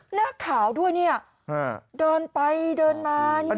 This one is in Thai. หน้าขาวด้วยเนี่ยเดินไปเดินมา